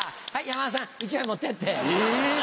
山田さん１枚持ってって。え！